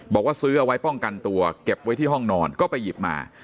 บอกว่าซื้อเอาไว้ป้องกันตัวเก็บไว้ที่ห้องนอนก็ไปหยิบมา